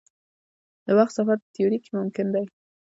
د وخت سفر په تیوري کې ممکن دی.